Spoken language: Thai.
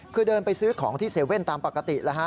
คือเดินไปซื้อของที่เซเว่นตามปกติ